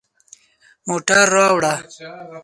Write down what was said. موټر راوړه